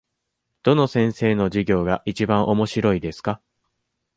どの先生の授業がいちばんおもしろいですか。